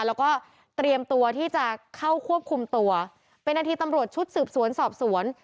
แล้วก็เตรียมตัวที่จะเข้าควบคุมตัวเป็นนาทีตำรวจชุดสืบสวนสอบสวน